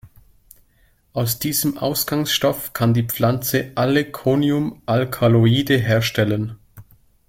Aus diesem Ausgangsstoff kann die Pflanze alle Conium-Alkaloide herstellen.